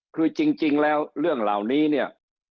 คือจริงแล้วเรื่องเหล่านี้เนี่ย